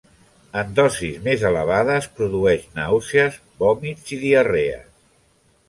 En dosis més elevades produeix nàusees, vòmits i diarrees.